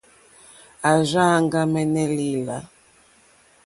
Ò rzáā áŋɡàmɛ̀nɛ̀ lìlâ.